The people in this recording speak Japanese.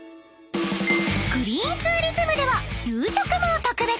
［グリーンツーリズムでは夕食も特別］